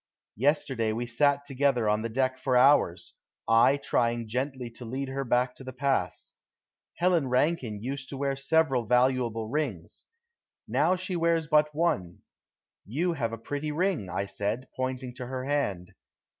Yesterday we sat together on the deck for hours, I trying gently to lead her back to the past. Helen Rankine used to wear several valuable rings. Now she wears but one. "You have a pretty ring," I said, pointing to her hand!